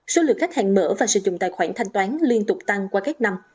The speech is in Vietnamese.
số lượng khách hàng mở và sử dụng tài khoản thanh toán liên tục tăng qua các năm